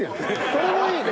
それもいいね。